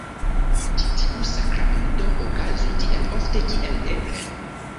Ĉi tiu sakramento okazu tiel ofte kiel eble.